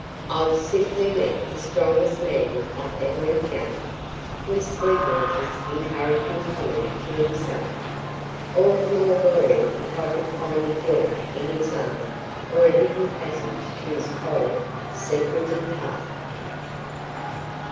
"I've simply met the strongest man I've ever encountered," was Sweetwater's encouraging comment to himself. "All the more glory if I can find a joint in his armour or a hidden passage to his cold, secretive heart."